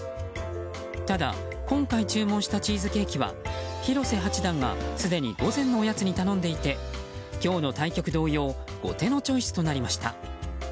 ただ、今回注文したチーズケーキは広瀬八段がすでに午前のおやつに頼んでいて今日の対局同様後手のチョイスとなりました。